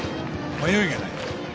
迷いがない。